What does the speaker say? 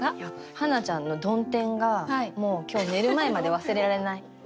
ハンナちゃんの「曇天」がもう今日寝る前まで忘れられない。